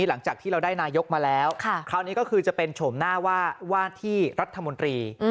หลังจากที่เราได้นายกมาแล้วคราวนี้ก็คือจะเป็นโฉมหน้าว่าว่าที่รัฐมนตรี